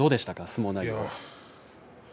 相撲内容。